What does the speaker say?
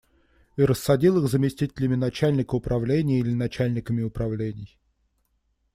И рассадил их заместителями начальника управления или начальниками управлений.